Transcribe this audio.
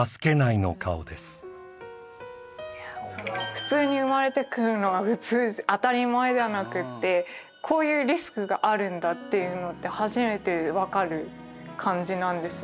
普通に生まれてくるのが当たり前ではなくてこういうリスクがあるんだっていうのって初めてわかる感じなんですよね。